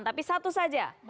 tapi satu saja